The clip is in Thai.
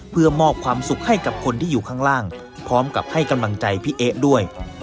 เพื่อมอบความสุขให้กับคนที่อยู่ข้างล่างพร้อมกับให้กำลังใจพี่เอ๊ะด้วย